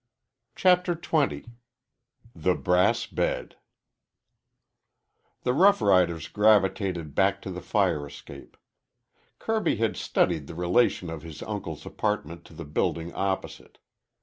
CHAPTER XX THE BRASS BED The rough riders gravitated back to the fire escape. Kirby had studied the relation of his uncle's apartment to the building opposite.